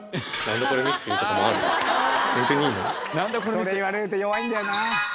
それ言われると弱いんだよな。